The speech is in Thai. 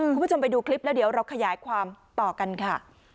คุณผู้ชมไปดูคลิปแล้วเดี๋ยวเราขยายความต่อกันค่ะ